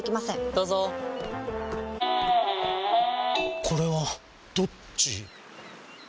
どうぞこれはどっち？